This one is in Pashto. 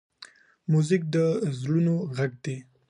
موزیک د زړونو غږ دی.